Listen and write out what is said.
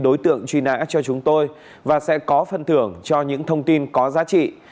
đối tượng truy nã cho chúng tôi và sẽ có phần thưởng cho những thông tin có giá trị